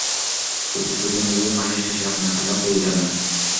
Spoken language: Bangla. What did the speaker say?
প্রতিশ্রুতি অনুযায়ী, মাসের শেষে আপনার টাকা পেয়ে যাবেন।